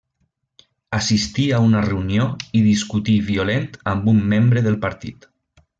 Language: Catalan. Assistí a una reunió i discutí violent amb un membre del partit.